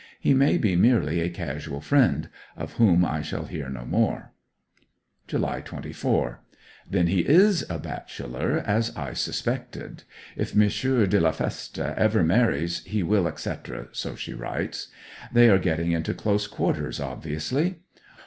He may be merely a casual friend, of whom I shall hear no more. July 24. Then he is a bachelor, as I suspected. 'If M. de la Feste ever marries he will,' etc. So she writes. They are getting into close quarters, obviously.